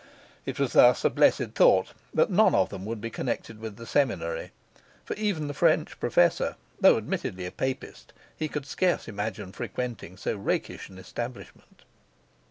It was thus a blessed thought that none of them would be connected with the Seminary; for even the French professor, though admittedly a Papist, he could scarce imagine frequenting so rakish an establishment.